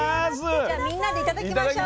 じゃあみんなで頂きましょう。